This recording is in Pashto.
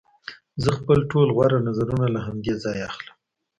زه خپل ټول غوره نظرونه له همدې ځایه اخلم